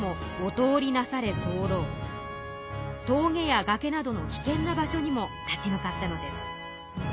峠やがけなどのきけんな場所にも立ち向かったのです。